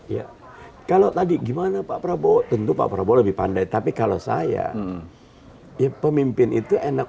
ya kalau tadi gimana pak prabowo tentu pak prabowo lebih pandai tapi kalau saya ya pemimpin itu enak